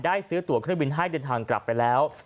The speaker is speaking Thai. ซื้อตัวเครื่องบินให้เดินทางกลับไปแล้ว